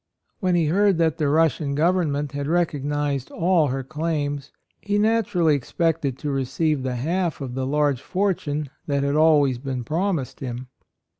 When he heard that the Russian govern ment had recognized all her claims, he naturally expected to receive the half of the large fortune that had always been promised him.